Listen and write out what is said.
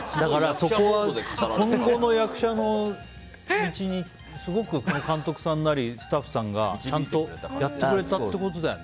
その役者のうちに監督さんなりスタッフさんが、ちゃんとやってくれたってことだよね。